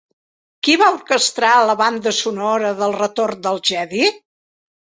Qui va orquestrar la banda sonora d'El retorn del Jedi?